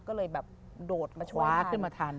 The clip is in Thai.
ก็เลยแบบโดดมาคว้าขึ้นมาทัน